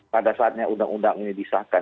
pada saatnya undang undang ini disahkan